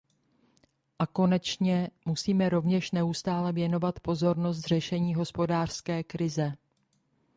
A konečně, musíme rovněž neustále věnovat pozornost řešení hospodářské krize.